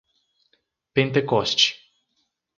Pentecoste